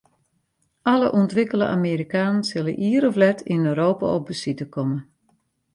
Alle ûntwikkele Amerikanen sille ier of let yn Europa op besite komme.